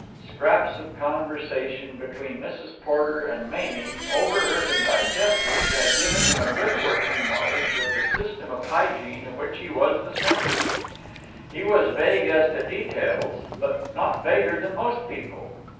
Scraps of conversation between Mrs. Porter and Mamie, overheard and digested, had given him a good working knowledge of the system of hygiene of which he was the centre. He was vague as to details, but not vaguer than most people.